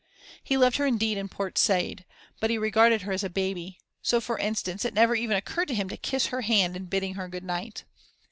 He loved her indeed in Port Said, but he regarded her as a "baby"; so, for instance, it never even occurred to him to kiss her hand in bidding her good night.